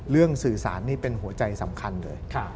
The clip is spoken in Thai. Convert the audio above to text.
สื่อสารนี่เป็นหัวใจสำคัญเลย